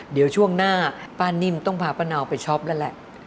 เดี๋ยวช่วงหน้าป้านิ่มต้องพาป้านาวไปช็อปนั่นแหละ